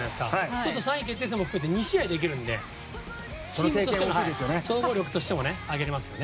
そうすると３位決定戦も含めて２試合できるので総合力としても上げられますね。